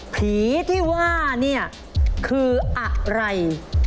ผีที่ว่าเนี่ยคืออะไร